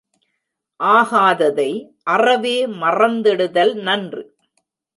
ஆகாததை அறவே மறந்திடுதல் நன்று.